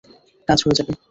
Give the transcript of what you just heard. কাজ হয়ে যাবে।